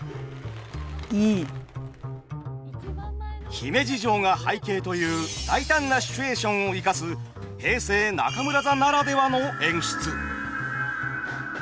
姫路城が背景という大胆なシチュエーションを生かす平成中村座ならではの演出。